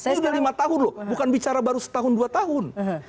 ini sudah lima tahun loh bukan bicara baru setahun dua tahun